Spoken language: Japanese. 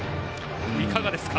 いかがですか？